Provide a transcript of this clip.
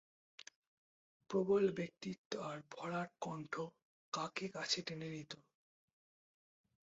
প্রবল ব্যক্তিত্ব আর ভরাট কন্ঠ কাকে কাছে টেনে নিতো?